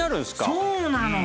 そうなの。